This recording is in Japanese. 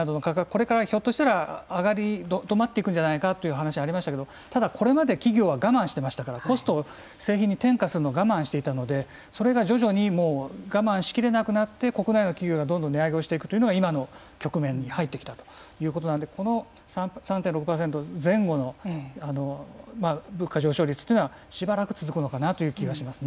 これからひょっとしたら上がり止まっていくんじゃないかという話ありましたけどただこれまで企業は我慢してましたからコストを製品に転嫁するのを我慢していたのでそれが徐々にもう我慢しきれなくなって国内の企業がどんどん値上げをしていくというのが今の局面に入ってきたということなのでこの３．６％前後の物価上昇率というのはしばらく続くのかなという気がしますね。